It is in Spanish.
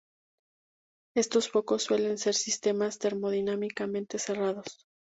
Estos focos suelen ser sistemas termodinámicamente cerrados.